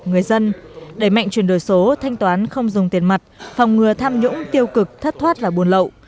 người dân đẩy mạnh chuyển đổi số thanh toán không dùng tiền mặt phòng ngừa tham nhũng tiêu cực thất thoát và buồn lậu